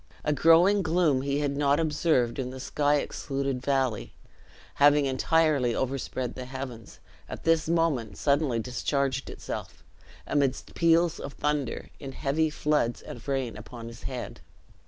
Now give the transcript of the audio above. A growing gloom he had not observed in the sky excluded valley, having entirely overspread the heavens, at this moment suddenly discharged itself, amidst peals of thunder, in heavy floods of rain upon his head.